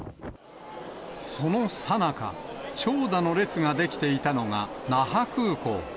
そのさなか、長蛇の列が出来ていたのが那覇空港。